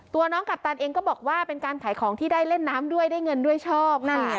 ตัวน้องกัปตันเองก็บอกว่าเป็นการขายของที่ได้เล่นน้ำด้วยได้เงินด้วยชอบนั่น